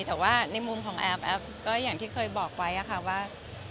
แต่ว่าในมุมของแอฟแอฟก็อย่างที่เคยบอกไว้ค่ะว่า